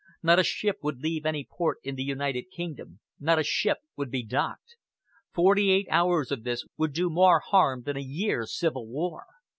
Not a ship would leave any port in the United Kingdom, not a ship would be docked. Forty eight hours of this would do more harm than a year's civil war.